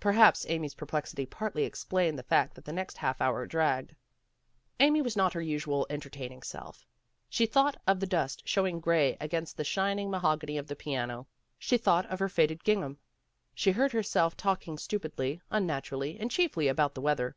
Perhaps Amy's perplexity partly explained the fact that the next half hour dragged. Amy was not her usual entertaining self. She thought of the dust showing gray against the shining mahogany of the piano. She thought of her faded gingham. She heard herself talking stupidly, unnaturally, and chiefly about the weather.